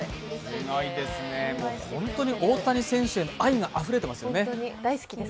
本当に大谷選手への愛があふれてますよね。